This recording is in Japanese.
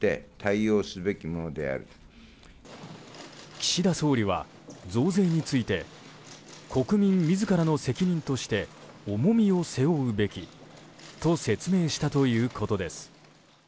岸田総理は、増税について国民自らの責任として重みを背負うべきと説明したということです。